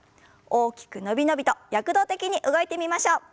大きく伸び伸びと躍動的に動いてみましょう。